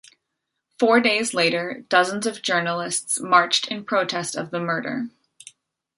Four days later, dozens of journalists marched in protest of the murder.